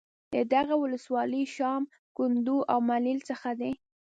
د دغې ولسوالۍ شام ، کندو او ملیل څخه د